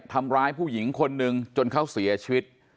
ทำร้ายผู้หญิงคนหนึ่งจนเขาเสียชีวิต